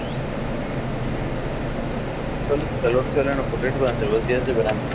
Las olas de calor suelen ocurrir durante los días del verano.